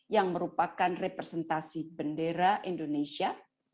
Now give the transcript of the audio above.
yang merupakan representasi bendera indonesia